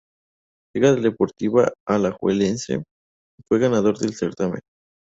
Liga Deportiva Alajuelense fue el ganador del certamen.